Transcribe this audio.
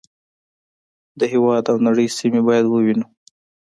د هېواد او نړۍ سیمې باید ووینو.